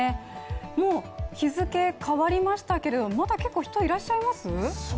もう日付変わりましたけれども、まだ人結構いらっしゃいます？